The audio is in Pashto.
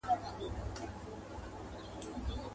یو له بله سره بېل سو په کلونو.